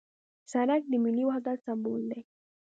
سړک د ملي وحدت سمبول دی.